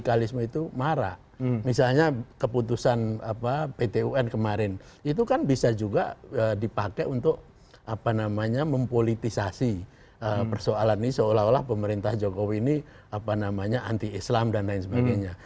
alhamdulillah pemerintah jokowi ini anti islam dan lain sebagainya